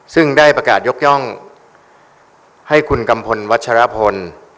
ซึ่งได้ประกาศยกย่องให้คุณกัมพลวัชรพล